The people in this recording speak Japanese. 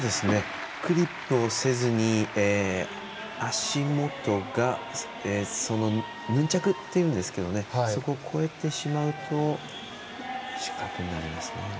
クリップをせずに足元がヌンチャクっていうんですけどそこを越えてしまうと失格になりますね。